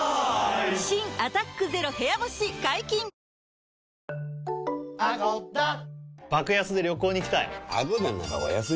新「アタックＺＥＲＯ部屋干し」解禁‼あっつ。